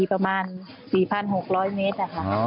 ประมาณ๔๖๐๐เมตร